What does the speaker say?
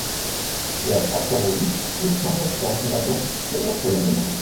Der Asteroid ist nach der Pflanzengattung der Erdbeeren benannt.